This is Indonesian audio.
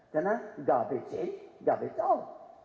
karena gak ada yang tahu